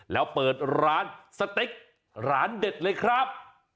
แล้วเปิดร้านสเต็กร้านเด็ดเลยครับ